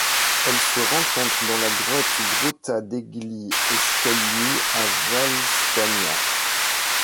Elle se rencontre dans la grotte Grotta degli Escalini à Valstagna.